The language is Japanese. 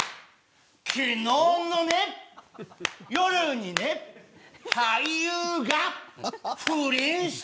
昨日のね、夜にね、俳優が不倫した。